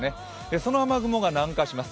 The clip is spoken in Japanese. その雨雲が南下します。